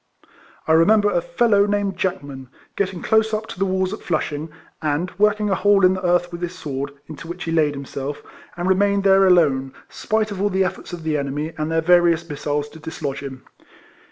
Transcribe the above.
I remember a fellow, named Jackman, getting close up to the walls at Flushing, and working a hole in the earth with his sword, into which he laid himself, and remained there alone, 132 RECOLLECTIONS OF spite of all the efforts of the enemj' and their various missiles to dislodge him.